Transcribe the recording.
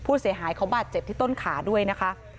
ผู้เสียหายเขาบาดเจ็บที่ต้นขาด้วยนะคะ